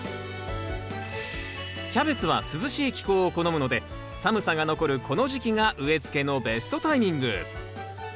キャベツは涼しい気候を好むので寒さが残るこの時期が植えつけのベストタイミング。